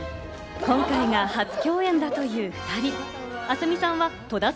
今回が初共演だという２人。